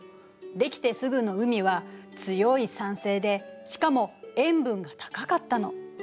出来てすぐの海は強い酸性でしかも塩分が高かったの。